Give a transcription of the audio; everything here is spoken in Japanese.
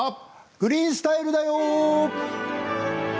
「グリーンスタイル」だよ。